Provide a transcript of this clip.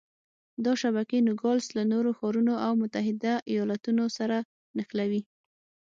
دا شبکې نوګالس له نورو ښارونو او متحده ایالتونو سره نښلوي.